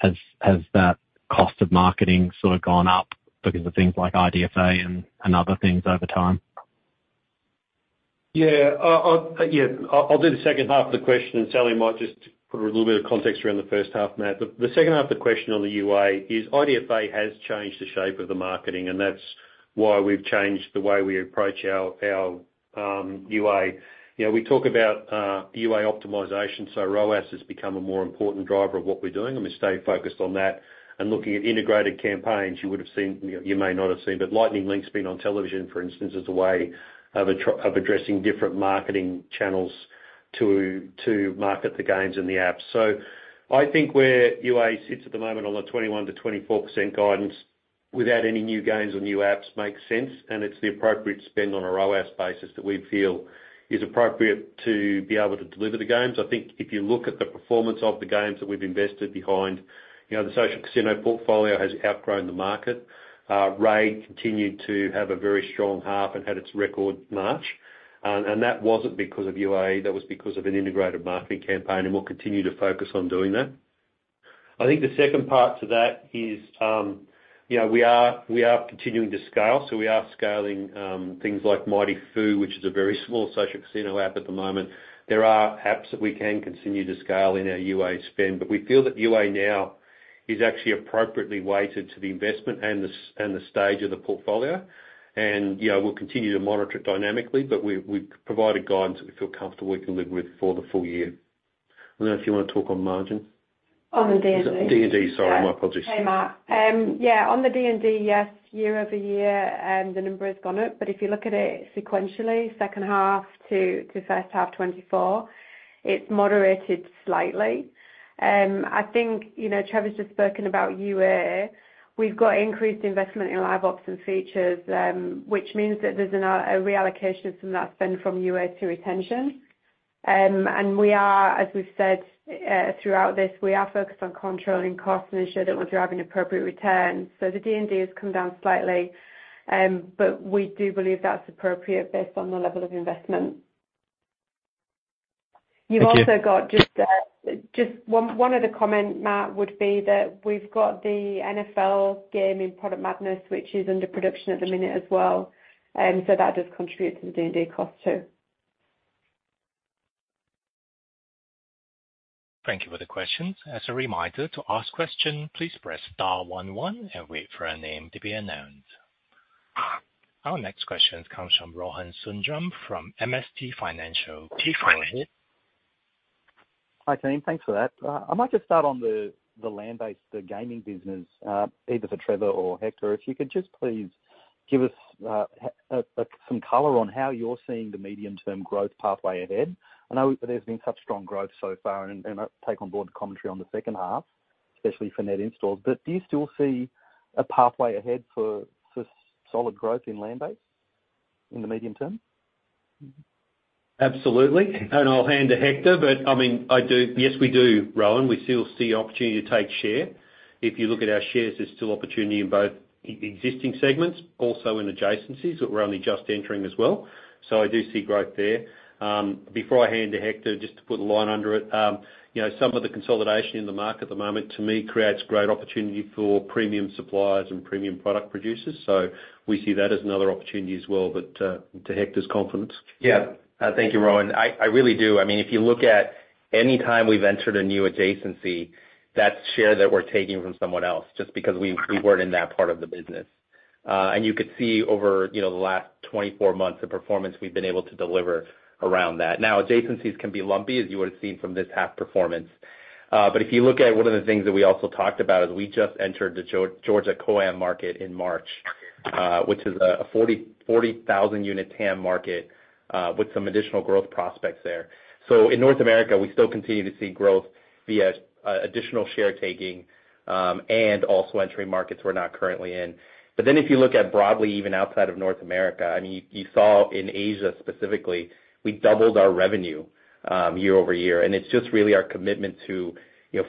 has that cost of marketing sort of gone up because of things like IDFA and other things over time? Yeah. Yeah. I'll do the second half of the question. And Sally might just put a little bit of context around the first half, Matt. The second half of the question on the UA is IDFA has changed the shape of the marketing. And that's why we've changed the way we approach our UA. We talk about UA optimization. So ROAS has become a more important driver of what we're doing. And we stay focused on that. And looking at integrated campaigns, you would have seen, you may not have seen. But Lightning Link's been on television, for instance, as a way of addressing different marketing channels to market the games and the apps. So I think where UA sits at the moment on the 21%-24% guidance without any new games or new apps makes sense. And it's the appropriate spend on a ROAS basis that we feel is appropriate to be able to deliver the games. I think if you look at the performance of the games that we've invested behind, the social casino portfolio has outgrown the market. RAID continued to have a very strong half and had its record March. And that wasn't because of UA. That was because of an integrated marketing campaign. And we'll continue to focus on doing that. I think the second part to that is we are continuing to scale. So we are scaling things like Mighty Fu, which is a very small social casino app at the moment. There are apps that we can continue to scale in our UA spend. But we feel that UA now is actually appropriately weighted to the investment and the stage of the portfolio. And we'll continue to monitor it dynamically. We've provided guidance that we feel comfortable we can live with for the full-year. I don't know if you want to talk on margin. On the D&D. D&D. Sorry. My apologies. Okay, Matt. Yeah. On the D&D, yes, year over year, the number has gone up. But if you look at it sequentially, second half to first half 2024, it's moderated slightly. I think Trevor's just spoken about UA. We've got increased investment in live ops and features, which means that there's a reallocation of some of that spend from UA to retention. And as we've said throughout this, we are focused on controlling costs and ensure that we're driving appropriate returns. So the D&D has come down slightly. But we do believe that's appropriate based on the level of investment. You've also got just one other comment, Matt, would be that we've got the NFL gaming Product Madness, which is under production at the minute as well. So that does contribute to the D&D cost too. Thank you for the questions. As a reminder, to ask a question, please press star one one and wait for a name to be announced. Our next question comes from Rohan Sundram from MST Financial. Please go ahead. Hi, Kathleen. Thanks for that. I might just start on the land-based, the gaming business, either for Trevor or Hector, if you could just please give us some color on how you're seeing the medium-term growth pathway ahead. And I know there's been such strong growth so far. And I take on board the commentary on the second half, especially for net installs. But do you still see a pathway ahead for solid growth in land-based in the medium term? Absolutely. And I'll hand to Hector. But I mean, yes, we do, Rohan. We still see opportunity to take share. If you look at our shares, there's still opportunity in both existing segments, also in adjacencies that we're only just entering as well. So I do see growth there. Before I hand to Hector, just to put a line under it, some of the consolidation in the market at the moment, to me, creates great opportunity for premium suppliers and premium product producers. So we see that as another opportunity as well, to Hector's confidence. Yeah. Thank you, Rohan. I really do. I mean, if you look at any time we've entered a new adjacency, that's share that we're taking from someone else just because we weren't in that part of the business. And you could see over the last 24 months, the performance we've been able to deliver around that. Now, adjacencies can be lumpy, as you would have seen from this half performance. But if you look at one of the things that we also talked about is we just entered the Georgia COAM market in March, which is a 40,000-unit TAM market with some additional growth prospects there. So in North America, we still continue to see growth via additional share-taking and also entering markets we're not currently in. But then if you look at it broadly, even outside of North America, I mean, you saw in Asia specifically, we doubled our revenue year over year. And it's just really our commitment to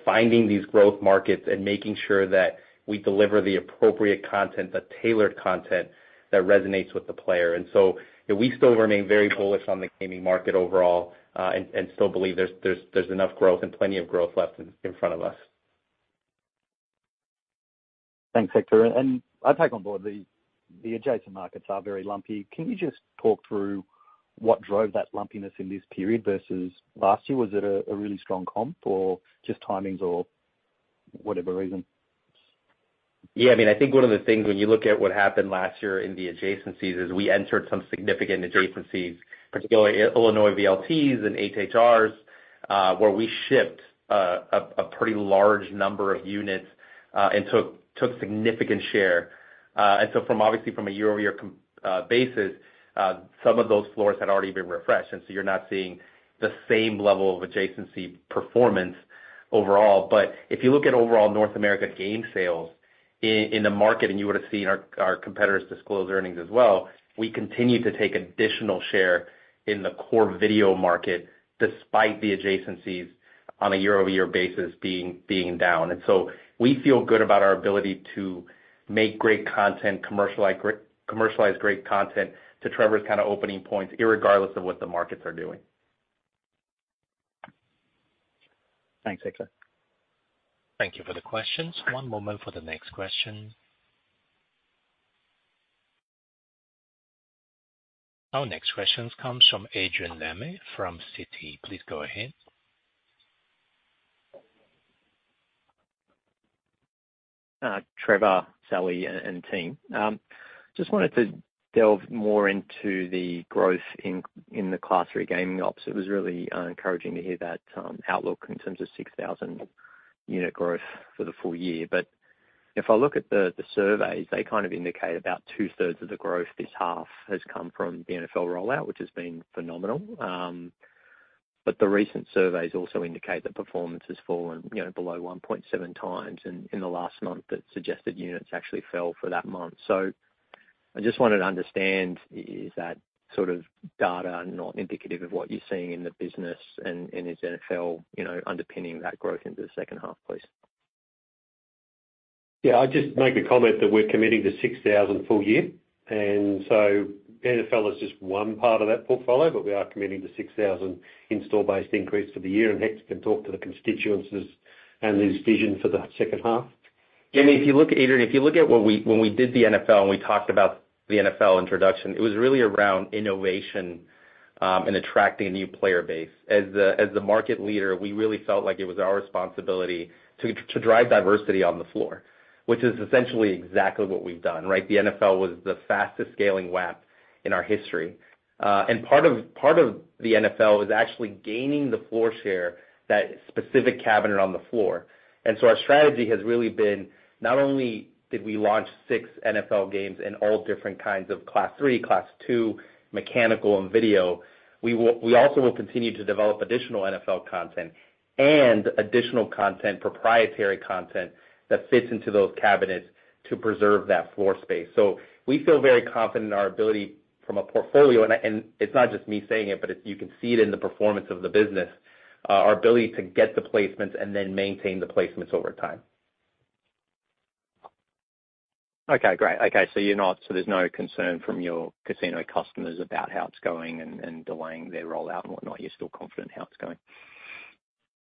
finding these growth markets and making sure that we deliver the appropriate content, the tailored content that resonates with the player. And so we still remain very bullish on the gaming market overall and still believe there's enough growth and plenty of growth left in front of us. Thanks, Hector. And I take on board the adjacent markets are very lumpy. Can you just talk through what drove that lumpiness in this period versus last year? Was it a really strong comp or just timings or whatever reason? Yeah. I mean, I think one of the things when you look at what happened last year in the adjacencies is we entered some significant adjacencies, particularly Illinois VLTs and HHRs, where we shipped a pretty large number of units and took significant share. And so obviously, from a year-over-year basis, some of those floors had already been refreshed. And so you're not seeing the same level of adjacency performance overall. But if you look at overall North America game sales in the market, and you would have seen our competitors' disclosed earnings as well, we continue to take additional share in the core video market despite the adjacencies on a year-over-year basis being down. And so we feel good about our ability to make great content, commercialize great content to Trevor's kind of opening points irregardless of what the markets are doing. Thanks, Hector. Thank you for the questions. One moment for the next question. Our next question comes from Adrian Lemme from Citi. Please go ahead. Trevor, Sally, and team. Just wanted to delve more into the growth in the Class III gaming ops. It was really encouraging to hear that outlook in terms of 6,000-unit growth for the full-year. But if I look at the surveys, they kind of indicate about two-thirds of the growth this half has come from the NFL rollout, which has been phenomenal. But the recent surveys also indicate that performance has fallen below 1.7x in the last month that suggested units actually fell for that month. So I just wanted to understand, is that sort of data not indicative of what you're seeing in the business? And is NFL underpinning that growth into the second half, please? Yeah. I'd just make a comment that we're committing to 6,000 full-year. And so NFL is just one part of that portfolio. But we are committing to 6,000 install base increase for the year. And Hector can talk to the constituents and his vision for the second half. Yeah. I mean, if you look, Adrian, if you look at when we did the NFL and we talked about the NFL introduction, it was really around innovation and attracting a new player base. As the market leader, we really felt like it was our responsibility to drive diversity on the floor, which is essentially exactly what we've done, right? The NFL was the fastest-scaling WAP in our history. And part of the NFL is actually gaining the floor share, that specific cabinet on the floor. And so our strategy has really been not only did we launch six NFL games in all different kinds of Class III, Class II, mechanical, and video, we also will continue to develop additional NFL content and additional content, proprietary content that fits into those cabinets to preserve that floor space. So we feel very confident in our ability from a portfolio and it's not just me saying it, but you can see it in the performance of the business, our ability to get the placements and then maintain the placements over time. Okay. Great. Okay. So there's no concern from your casino customers about how it's going and delaying their rollout and whatnot. You're still confident how it's going?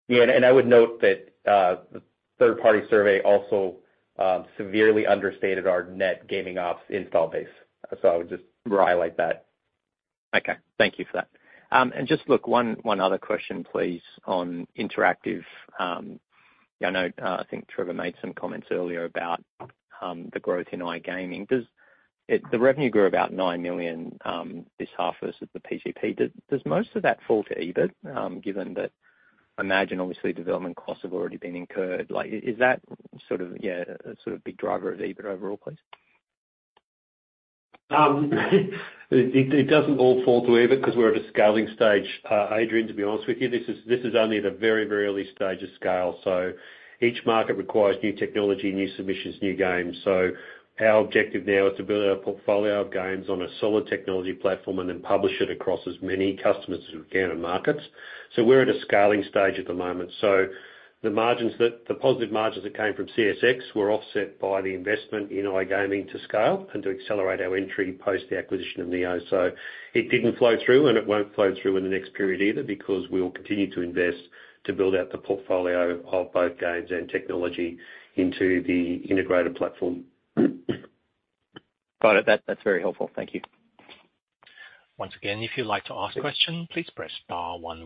Yeah. I would note that the third-party survey also severely understated our net gaming ops install base. I would just highlight that. Okay. Thank you for that. And just, look, one other question, please, on interactive. I think Trevor made some comments earlier about the growth in iGaming. The revenue grew about 9 million this half versus the PCP. Does most of that fall to EBIT, given that I imagine, obviously, development costs have already been incurred? Is that sort of, yeah, a sort of big driver of EBIT overall, please? It doesn't all fall to EBIT because we're at a scaling stage, Adrian, to be honest with you. This is only the very, very early stage of scale. So each market requires new technology, new submissions, new games. So our objective now is to build a portfolio of games on a solid technology platform and then publish it across as many customers as we can in markets. So we're at a scaling stage at the moment. So the positive margins that came from CXS were offset by the investment in iGaming to scale and to accelerate our entry post the acquisition of NEO. So it didn't flow through. And it won't flow through in the next period either because we will continue to invest to build out the portfolio of both games and technology into the integrated platform. Got it. That's very helpful. Thank you. Once again, if you'd like to ask a question, please press star 11.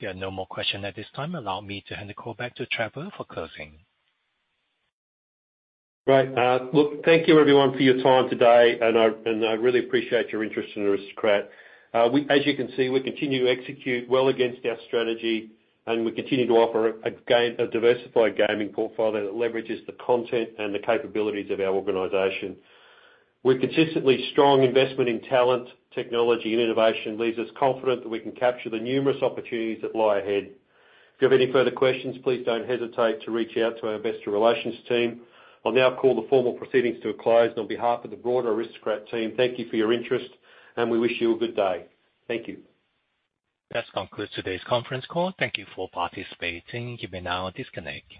Yeah. No more question at this time. Allow me to hand the call back to Trevor for closing. Right. Look, thank you, everyone, for your time today. And I really appreciate your interest in Aristocrat. As you can see, we continue to execute well against our strategy. And we continue to offer a diversified gaming portfolio that leverages the content and the capabilities of our organization. We're consistently strong. Investment in talent, technology, and innovation leaves us confident that we can capture the numerous opportunities that lie ahead. If you have any further questions, please don't hesitate to reach out to our investor relations team. I'll now call the formal proceedings to a close. And on behalf of the broader Aristocrat team, thank you for your interest. And we wish you a good day. Thank you. That concludes today's conference call. Thank you for participating. You may now disconnect.